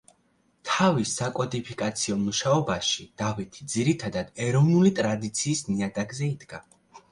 თავის საკოდიფიკაციო მუშაობაში დავითი ძირითადად ეროვნული ტრადიციის ნიადაგზე იდგა.